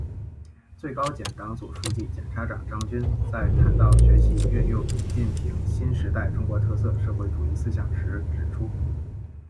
最高检党组书记、检察长张军在谈到学习运用习近平新时代中国特色社会主义思想时指出